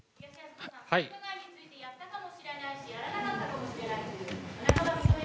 性加害について、やったかもしれないし、やらなかったかもしれないと。